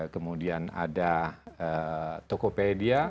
kemudian ada tokopedia